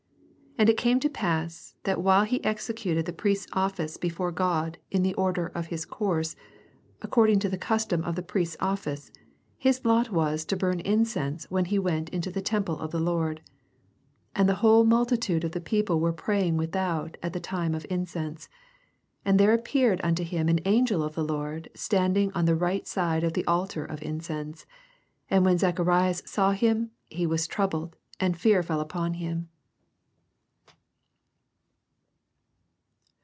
8 And it came to pass, that while he executed the Priest^s office before j Godi in the order of his course, 9 According to the custom of the Priest*s office, his lot was to bum in cense when he went into the temple of the Lord. 10 And the whole multitude of the people were praying without at the time of incense. 11 And there appeared unto him an angel of the Lora standing on the right side of the altar of incense. 12 And when Zacharias saw him^ he was troubled, and &ar fell upon him.